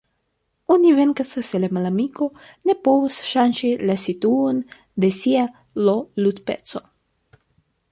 Oni venkas se la malamiko ne povas ŝanĝi la situon de sia L-ludpeco.